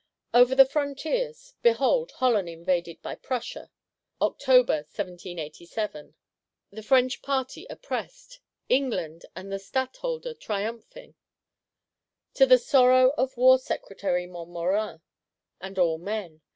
Over the Frontiers, behold Holland invaded by Prussia; the French party oppressed, England and the Stadtholder triumphing: to the sorrow of War Secretary Montmorin and all men.